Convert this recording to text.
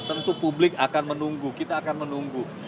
tentu publik akan menunggu kita akan menunggu